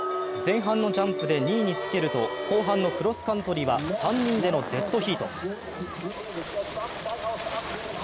前半のジャンプで２位につけると後半のクロスカントリーは３人でのデッドヒート。